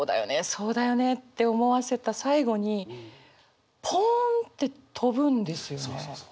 そうだよねって思わせた最後にポンって飛ぶんですよね。